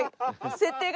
設定が。